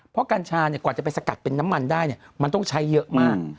เพราะกัญชากว่าจะไปสกัดเป็นน้ำมันได้มันต้องใช้เยอะมาก